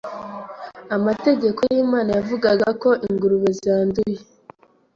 Amategeko y’Imana yavugaga ko ingurube zanduye,